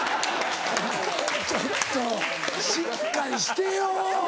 ちょっとしっかりしてよ。